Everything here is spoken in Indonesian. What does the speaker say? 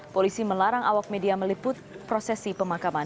polisi melarang awak media meliput prosesi pemakaman